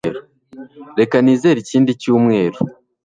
reka nizere, ikindi cyumweru